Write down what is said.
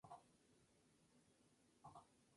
En su esquina norte destaca la presencia de una torrecilla.